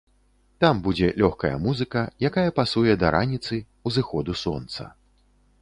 Там будзе лёгкая музыка, якая пасуе да раніцы, узыходу сонца.